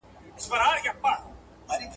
د مغرور عقل په برخه زولنې کړي `